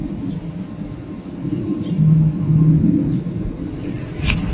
د زړه په کور کي به روښانه کړو د میني ډېوې,